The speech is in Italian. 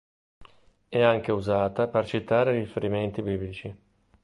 È anche usata per citare riferimenti biblici.